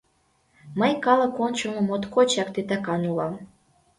Мый калык ончылно моткочак титакан улам...